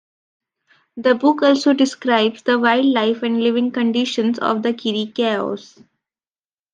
The book also describes the wildlife and living conditions of the Chiricahuas.